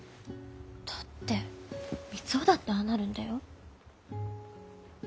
だって三生だってああなるんだよ？